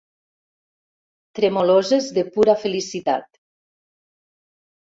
Tremoloses de pura felicitat.